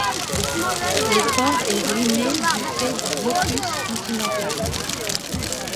Le port est ruiné du fait du blocus continental.